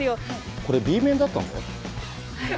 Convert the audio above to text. これＢ面だったんだよ。